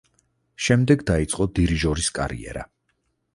შემდეგ დაიწყო დირიჟორის კარიერა.